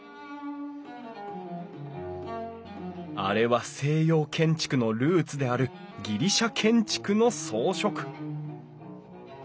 あれは西洋建築のルーツであるギリシャ建築の装飾！